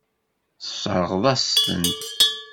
Tesseṛɣeḍ-as-tent.